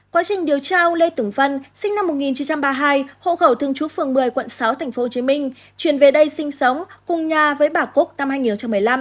quá trình điều tra ông lê tửng vân sinh năm một nghìn chín trăm ba mươi hai hộ khẩu thường trú phường một mươi quận sáu tp hcm chuyển về đây sinh sống cùng nhà với bà cao thị cúc